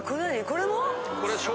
これも？